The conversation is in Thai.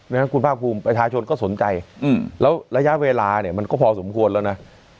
เพราะฉะนั้นคุณภาคภูมิประชาชนก็สนใจแล้วระยะเวลาเนี่ยมันก็พอสมควรแล้วนะ